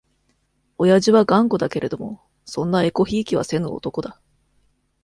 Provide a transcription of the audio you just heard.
おやじは頑固だけれども、そんなえこひいきはせぬ男だ。